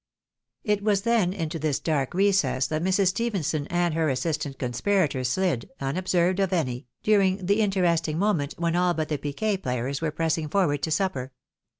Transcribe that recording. It was, then, into this dark recess that Mrs. Stephenson and her assistant conspirator slid, unobserved of any, during the in teresting moment when all but the piquet players were pressing forward to supper.